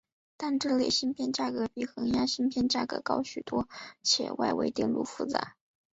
但是这类芯片价格比恒压芯片价格高许多且外围电路复杂。